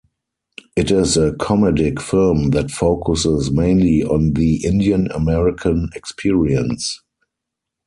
It is a comedic film that focuses mainly on the Indian American experience.